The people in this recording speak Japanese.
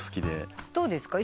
どうですか？